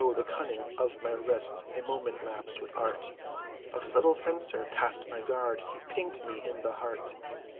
the cunning of my wrist, A moment lapsed! with art Of subtle fencer, past my guard, He pinked me, in the heart!